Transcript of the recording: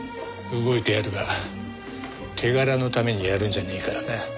動いてやるが手柄のためにやるんじゃねえからな。